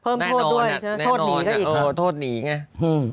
เพิ่มโทษด้วยใช่ไหมโทษหนีก็อีกค่ะแน่นอนโทษหนีไง